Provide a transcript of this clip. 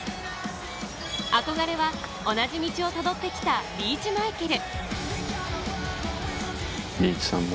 憧れは同じ道をたどってきたリーチ・マイケル。